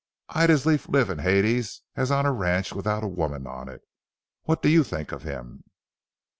I'd as lief live in Hades as on a ranch without a woman on it. What do you think of him?"